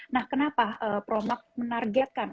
nah kenapa promak menargetkan